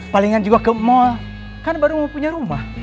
palingan juga ke mall kan baru mau punya rumah